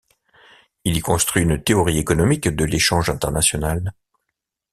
Il y construit une théorie économique de l'échange international.